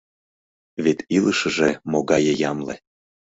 Вет илышыже могае ямле